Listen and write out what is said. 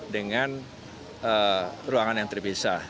dengan ruangan yang terpisah